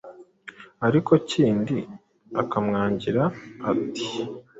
Ariko Kindi akamwangira ati “